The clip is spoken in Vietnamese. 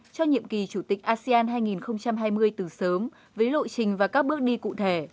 cho nhiệm kỳ chủ tịch asean hai nghìn hai mươi từ sớm với lộ trình và các bước đi cụ thể